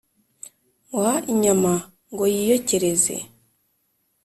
muha inyama ngo yiyokereze,